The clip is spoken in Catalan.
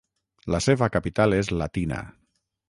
La seva capital és Latina.